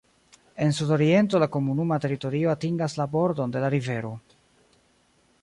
En sudoriento la komunuma teritorio atingas la bordon de la rivero.